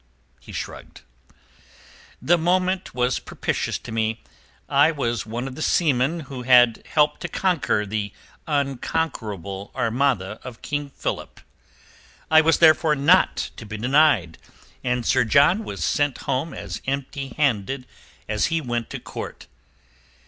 He shrugged. "The moment was propitious to me. I was one of the seamen who had helped to conquer the unconquerable Armada of King Philip. I was therefore not to be denied, and Sir John was sent home as empty handed as he went to Court.